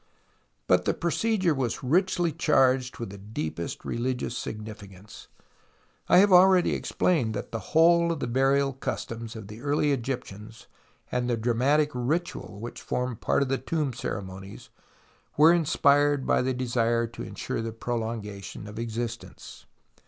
But the procedure was richly charged with the deepest religious significance. 1 have already explained that the whole of the burial customs of the early Egyptians and the dramatic ritual which formed part of the tomb ceremonies were inspired by the desire to ensure the prolongation of existence.